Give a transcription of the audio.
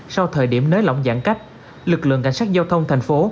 sau thời điểm nới lỏng giãn cách lực lượng cảnh sát giao thông thành phố